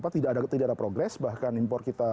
tidak ada progres bahkan impor kita